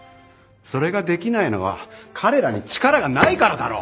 それができないのは彼らに力がないからだろ。